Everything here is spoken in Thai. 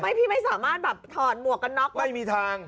พี่ไม่สามารถแบบถอดหมวกกันน็อกได้ไม่มีทาง